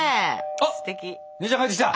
あっ姉ちゃん帰ってきた！